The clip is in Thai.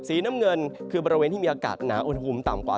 สีน้ำเงินคือบริเวณที่มีอากาศหนาอุณหภูมิต่ำกว่า